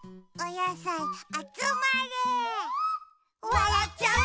「わらっちゃう」